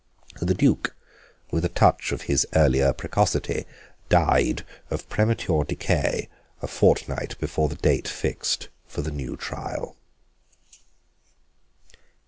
The Duke, with a touch of his earlier precocity, died of premature decay a fortnight before the date fixed for the new trial.